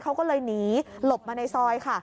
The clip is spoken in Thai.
เขาก็เลยหนีหลบมาในซอยค่ะ